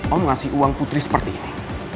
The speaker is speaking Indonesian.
oh ngasih uang putri seperti ini